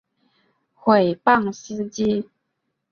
毁谤司机